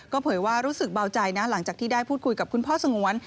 เผยว่ารู้สึกเบาใจนะหลังจากที่ได้พูดคุยกับคุณพ่อสงวน